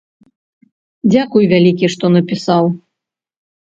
Дзякуй вялікі, што напісаў.